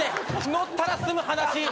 乗ったら済む話。